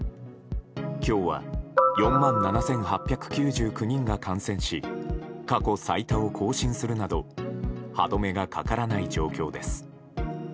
今日は４万７８９９人が感染し過去最多を更新するなど歯止めがかからない状況です。